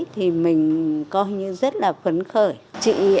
thì mình coi như rất là phấn khởi